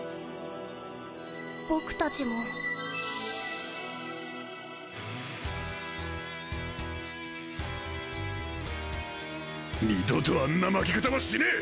僕たちも二度とあんな負け方はしねぇ！